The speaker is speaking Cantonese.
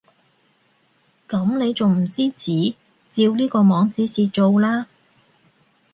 噉你仲唔支持？照呢個網指示做啦